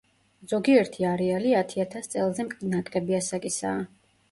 ზოგიერთი არეალი ათი ათას წელზე ნაკლები ასაკისაა.